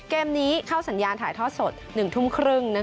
เกมนี้เข้าสัญญาณถ่ายทอดสด๑ทุ่มครึ่ง